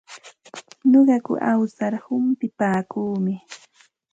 Nuqaku awsar humpipaakuumi.